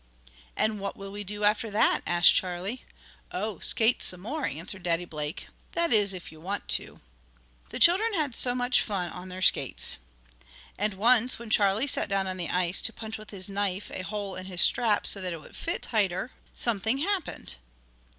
"And what will we do after that?" asked Charlie. "Oh, skate some more," answered Daddy Blake. "That is if you want to." The children had much fun on their skates. And once, when Charlie sat down on the ice, to punch with his knife a hole in his strap, so that it would fit tighter, something happened.